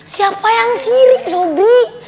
siapa yang sirik sobri